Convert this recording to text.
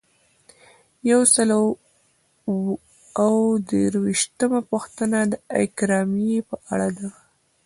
یو سل او درویشتمه پوښتنه د اکرامیې په اړه ده.